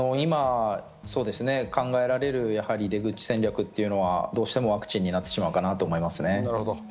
今、考えられる出口戦略というのはどうしてもワクチンになってしまうかなと思います。